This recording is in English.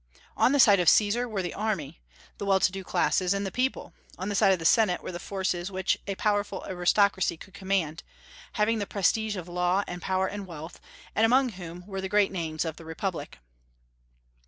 On the side of Caesar were the army, the well to do classes, and the people; on the side of the Senate were the forces which a powerful aristocracy could command, having the prestige of law and power and wealth, and among whom were the great names of the republic.